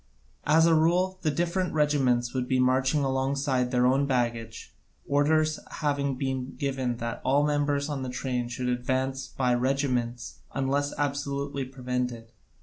As a rule, the different regiments would be marching alongside their own baggage, orders having been given that all members of the train should advance by regiments unless absolutely prevented.